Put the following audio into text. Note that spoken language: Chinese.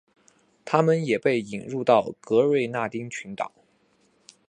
它们也被引入到格瑞纳丁群岛。